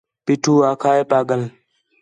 پیٹھو آکھا ہِے پاڳل ہیں